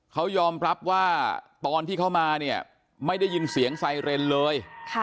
เขายอมรับว่าตอนที่เขามาเนี่ยไม่ได้ยินเสียงไซเรนเลย